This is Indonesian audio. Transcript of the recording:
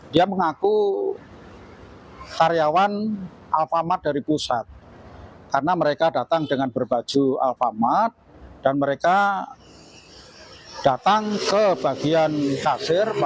dia mengaku karyawan alfamart dari pusat karena mereka datang dengan berbaju alfamart dan mereka datang ke bagian kasir